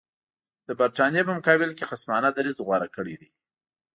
د برټانیې په مقابل کې یې خصمانه دریځ غوره کړی دی.